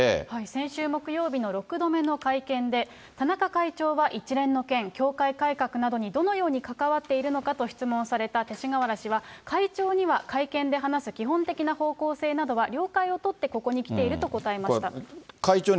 先週木曜日の６度目の会見で、田中会長は一連の件、教会改革などにどのように関わっているのかと質問された勅使河原氏は、会長には会見で話す基本的な方向性などは、了解を取ってここに来ていると答えました。